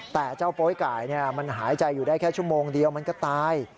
แต่เจ้าโป๊ยไก่มันหายใจอยู่ได้แค่ชั่วโมงเดียวมันก็ตาย